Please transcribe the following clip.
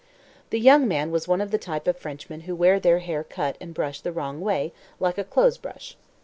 The young man was one of the type of Frenchmen who wear their hair cut and brushed the wrong way, like a clothes brush.